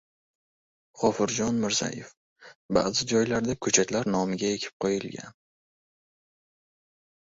G‘ofurjon Mirzayev: " Ba’zi joylarda ko‘chatlar nomiga ekib qo‘yilgan"